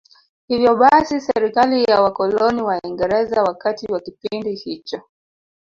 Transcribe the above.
Hivyo basi serikali ya wakoloni Waingereza wakati wa kipindi hicho